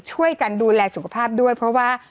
ช่วยกันดูแลสุขภาพด้วยเพราะว่า